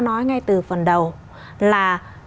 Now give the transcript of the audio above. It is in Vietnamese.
nói ngay từ phần đầu là